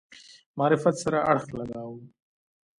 معرفت سره اړخ لګاوه.